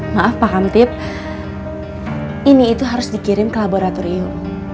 maaf pak kamtip ini itu harus dikirim ke laboratorium